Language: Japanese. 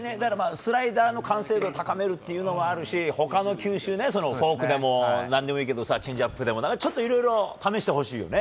スライダーの完成度を高めるというのもあるし他の球種、フォークでもチェンジアップでも何でも試してほしいよね。